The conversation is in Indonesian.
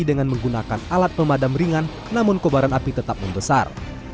dengan menggunakan alat pemadam ringan namun kobaran api tetap membesar